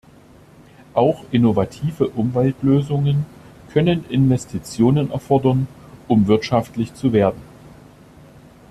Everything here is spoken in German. Auch innovative Umweltlösungen können Investitionen erfordern, um wirtschaftlich zu werden.